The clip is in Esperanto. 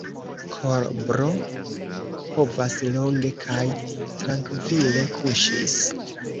Kobro povas longe kaj trankvile kuŝi.